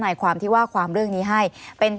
หรือว่าแม่ของสมเกียรติศรีจันทร์